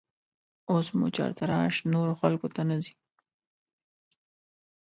اوس مو چارتراش نورو ملکو ته نه ځي